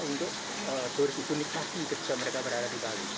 untuk menikmati kerja mereka berada di bali